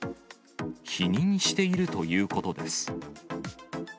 否認しているということです。